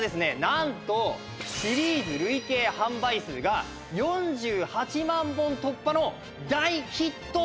なんとシリーズ累計販売数が４８万本突破の大ヒット商品なんですね。